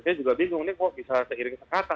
saya juga bingung ini kok bisa seiring sekata